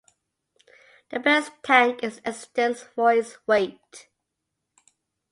The best tank in existence for its weight.